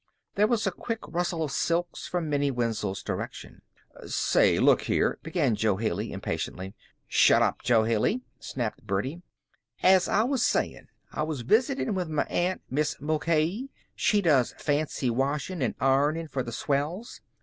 There was a quick rustle of silks from Minnie Wenzel's direction. "Say, look here " began Jo Haley, impatiently. "Shut up, Jo Haley!" snapped Birdie. "As I was sayin', I was visitin' with my aunt Mis' Mulcahy. She does fancy washin' an' ironin' for the swells.